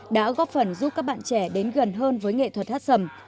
đã góp phần giúp các bạn trẻ đến gần hơn với nghệ thuật hát sầm